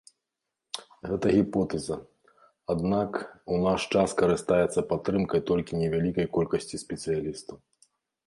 Гэта гіпотэза, аднак, у наш час карыстаецца падтрымкай толькі невялікай колькасці спецыялістаў.